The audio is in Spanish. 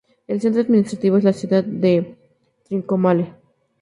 El centro administrativo es la ciudad de Trincomalee.